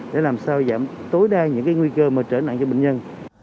để làm sao giảm tối đa những nguy cơ mà trở nặng cho bệnh nhân